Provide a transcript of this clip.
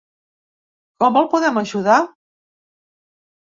Com el podem ajudar?